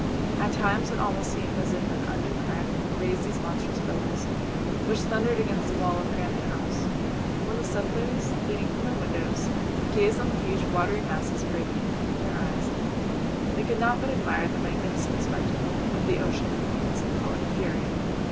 At times it almost seemed as if an under current raised these monstrous billows which thundered against the wall of Granite House. When the settlers, leaning from their windows, gazed on the huge watery masses breaking beneath their eyes, they could not but admire the magnificent spectacle of the ocean in its impotent fury.